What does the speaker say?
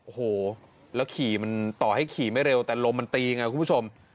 โอ้โหแล้วขี่มันต่อให้ขี่ไม่เร็วแต่ลมมันตีไงคุณผู้ชม